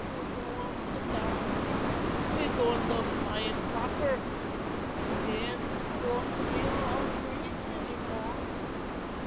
We gowun to die, we gowun to vind Popper. We aindt gowun to be hongry eny more."